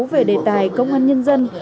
về đề tài công an nhân dân